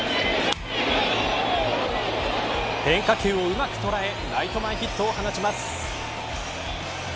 変化球をうまく捉えライト前ヒットを放ちます。